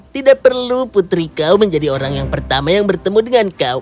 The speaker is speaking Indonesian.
tidak perlu putri kau menjadi orang yang pertama yang bertemu dengan kau